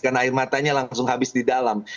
karena air matanya langsung habis di dalam